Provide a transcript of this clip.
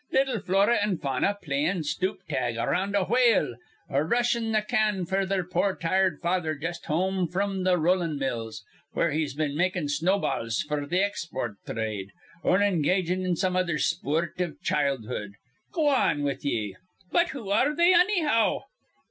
Little Flora an' little Fauna playin' stoop tag aroun' a whale or rushin' th' can f'r their poor tired father just home fr'm th' rollin' mills, where he's been makin' snowballs f'r th' export thrade, or engagin' in some other spoort iv childhood! Go wan with ye!" "But who are they, annyhow?"